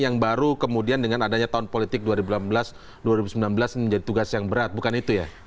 yang baru kemudian dengan adanya tahun politik dua ribu delapan belas dua ribu sembilan belas ini menjadi tugas yang berat bukan itu ya